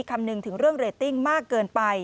คำนึงถึงเรื่องเรตติ้งมากเกินไป